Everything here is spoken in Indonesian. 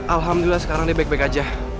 alhamdulillah sekarang dia baik baik aja